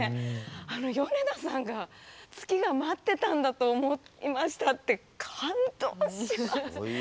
あの米田さんが月が待ってたんだと思いましたって感動します。